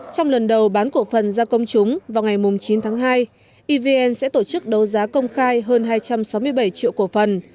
trong lần đầu bán cổ phần ra công chúng vào ngày chín tháng hai evn sẽ tổ chức đấu giá công khai hơn hai trăm sáu mươi bảy triệu cổ phần